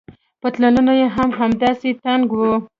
پتلونونه يې هم همداسې تنګ وو.